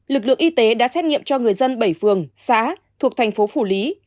lực lượng y tế đã xét nghiệm cho người dân bảy phường xã thuộc thành phố phủ lý